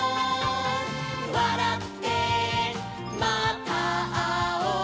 「わらってまたあおう」